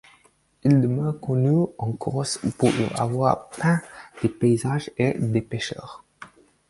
Il demeure connu en Corse pour y avoir peint des paysages et des pêcheurs.